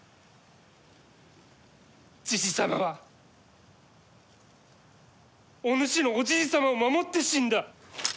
じじ様はお主のおじい様を守って死んだ。